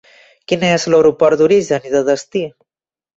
Quin és l'aeroport d'origen i de destí?